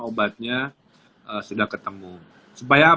obatnya sudah ketemu supaya apa